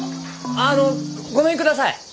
あのごめんください。